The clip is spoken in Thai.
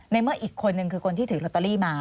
ในเมื่ออีกคนนึงคือคนที่ถือลอตเตอรี่มา